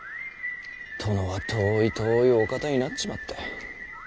殿は遠い遠いお方になっちまった。